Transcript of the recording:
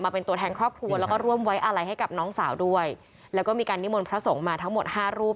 เป็นตัวแทนครอบครัวแล้วก็ร่วมไว้อาลัยให้กับน้องสาวด้วยแล้วก็มีการนิมนต์พระสงฆ์มาทั้งหมดห้ารูป